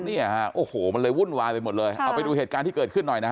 เนี่ยฮะโอ้โหมันเลยวุ่นวายไปหมดเลยเอาไปดูเหตุการณ์ที่เกิดขึ้นหน่อยนะฮะ